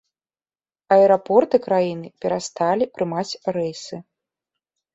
Аэрапорты краіны перасталі прымаць рэйсы.